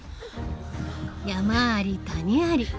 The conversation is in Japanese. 山あり谷あり。